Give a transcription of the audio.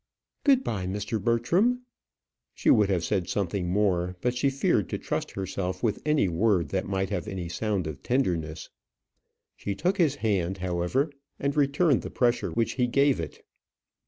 "Good bye, Mr. Bertram." She would have said something more, but she feared to trust herself with any word that might have any sound of tenderness. She took his hand, however, and returned the pressure which he gave it.